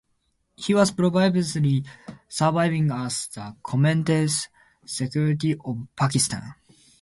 He was previously serving as the Commerce Secretary of Pakistan.